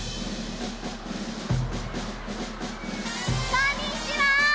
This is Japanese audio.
こんにちは！